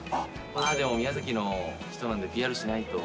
でも宮崎の人なんで、ＰＲしないと。